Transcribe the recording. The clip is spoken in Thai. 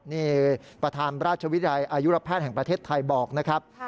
นี่ประธานราชวิทยาลอายุรแพทย์แห่งประเทศไทยบอกนะครับ